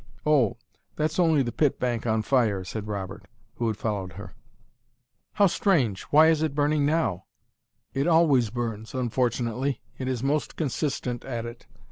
"Oh, that's only the pit bank on fire," said Robert, who had followed her. "How strange! Why is it burning now?" "It always burns, unfortunately it is most consistent at it.